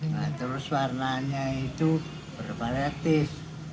nah terus warnanya itu bervaletis